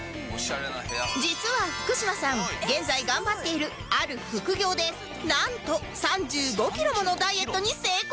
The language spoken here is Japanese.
実は福島さん現在頑張っているある副業でなんと３５キロものダイエットに成功したんです！